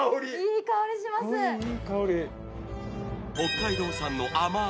いい香り。